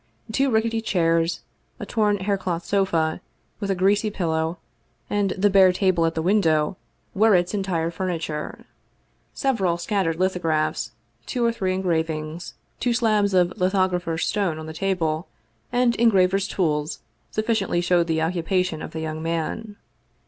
Two rickety chairs, a torn haircloth sofa, with a greasy pillow, and the bare table at the window, were its entire furniture. Several scattered lithographs, two or three engravings, two slabs of lithographer's stone on the table, and engraver's tools sufficiently showed the occupation of the young man.